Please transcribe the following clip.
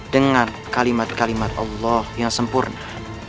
dengan kalimat kalimat allah yang sempurna